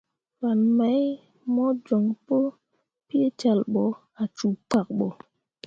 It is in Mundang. Fan mai mo joŋ pu peecal ɓo ah cuu pkak ɓo.